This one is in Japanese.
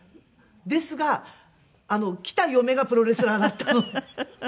ですが来た嫁がプロレスラーだったので。